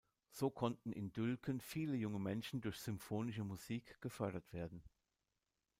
So konnten in Dülken viele junge Menschen durch symphonische Musik gefördert werden.